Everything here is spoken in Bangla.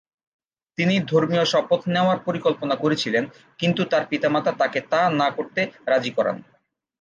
তিনি ধর্মীয় শপথ নেওয়ার পরিকল্পনা করেছিলেন, কিন্তু তার পিতামাতা তাকে তা না করতে রাজি করান।